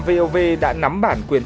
vov đã nắm bản quyền